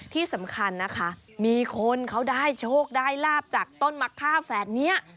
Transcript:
ที่สำคัญนะคะมีคนเขาได้โชคได้ลาบจากต้นมะค่าแฝดนี้